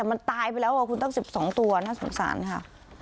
มันตายไปแล้วคุณตั้ง๑๒ตัวน่าสงสารค่ะ